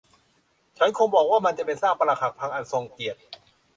ฉันคงบอกว่ามันจะเป็นซากปรักหักพังอันทรงเกียรติ